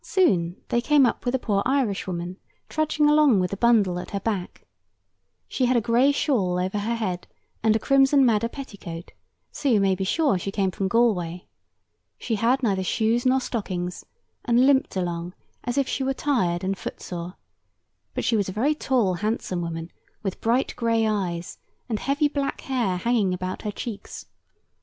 Soon they came up with a poor Irishwoman, trudging along with a bundle at her back. She had a gray shawl over her head, and a crimson madder petticoat; so you may be sure she came from Galway. She had neither shoes nor stockings, and limped along as if she were tired and footsore; but she was a very tall handsome woman, with bright gray eyes, and heavy black hair hanging about her cheeks.